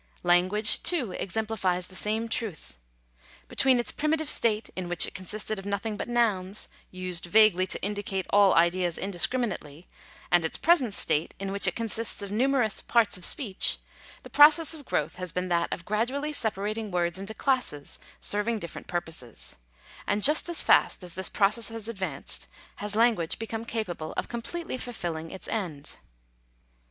Lan guage, too, exemplifies the same truth. Between its primitive state, in which it consisted of nothing but nouns, used vaguely to indicate all ideas indiscriminately, and its present state, in which it consists of numerous " parts of speech," the process of growth has been that of gradually separating words into classes serving different purposes; and just as fast as this process has advanced, has language become capable of com pletely fulfilling its end.